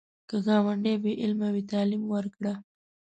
که ګاونډی بې علمه وي، تعلیم ورکړه